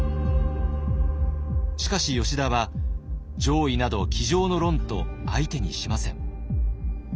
しかし吉田は「攘夷など机上の論」と相手にしません。